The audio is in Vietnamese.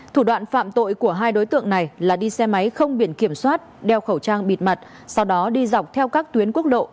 thủ đoạn phạm tội của hai đối tượng này là đi xe máy không biển kiểm soát đeo khẩu trang bịt mặt sau đó đi dọc theo các tuyến quốc lộ